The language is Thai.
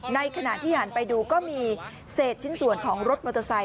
ในขณะที่หันไปดูก็มีเศษชิ้นส่วนของรถมอเตอร์ไซค